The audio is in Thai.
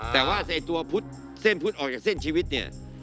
แต่ว่าตัวพุธเส้นพุทธออกจากเส้นชีวิตเนี่ย